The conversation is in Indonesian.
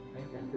terima kasih om